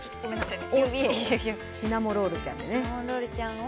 シナモロールちゃんを、